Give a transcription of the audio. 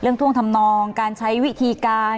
เรื่องท่วงทำนองการใช้วิธีการ